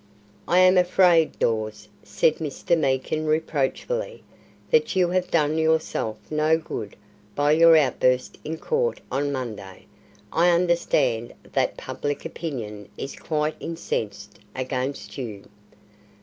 "I am afraid, Dawes," said Mr. Meekin reproachfully, "that you have done yourself no good by your outburst in court on Monday. I understand that public opinion is quite incensed against you."